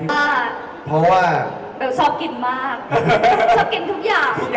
เพราะว่าเบลชอบกินมากชอบกินทุกอย่าง